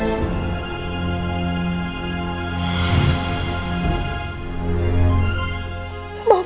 aku akan senang sehat